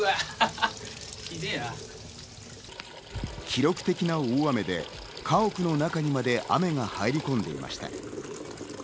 記録的な大雨で家屋の中にまで雨が入り込んでいました。